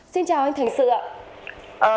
xin chào anh thành sự ạ